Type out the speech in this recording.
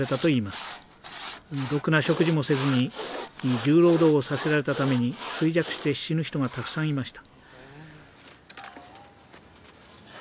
ろくな食事もせずに重労働をさせられたために衰弱して死ぬ人がたくさんいました。